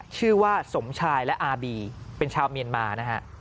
ชื่อว่าสมชายและอาบีเป็นชาวเมียนมานะฮะ